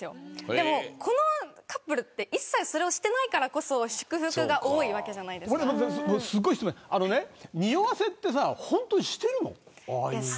でも、このカップルは一切それをしていないからこそ祝福が多いわけじゃないですか。におわせってさ本当にしてるのかな。